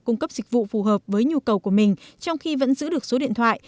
cung cấp dịch vụ phù hợp với nhu cầu của mình trong khi vẫn giữ được số điện thoại